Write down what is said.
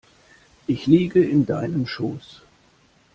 Ich liege in deinem Schoß.